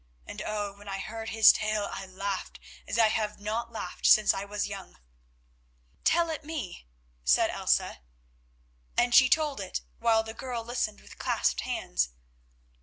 And oh! when I heard his tale I laughed as I have not laughed since I was young." "Tell it me," said Elsa. And she told it while the girl listened with clasped hands.